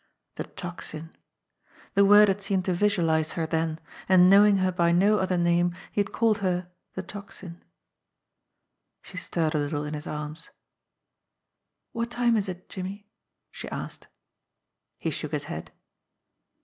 The Tocsin! The word had seemed to visualise her then, and, knowing her by no other name, he had called her the Tocsin. She stirred a little in his arms. "What time is it, Jimmie?" she asked. He shook his head.